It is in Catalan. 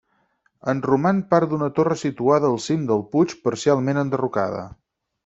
En roman part d'una torre situada al cim del puig, parcialment enderrocada.